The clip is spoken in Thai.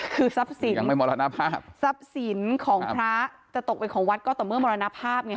คือทรัพย์สินทรัพย์สินของพระจะตกเป็นของวัดก็ต่อเมื่อมรณภาพ